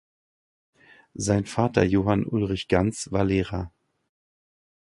Sein Vater Johann Ulrich Ganz war Lehrer.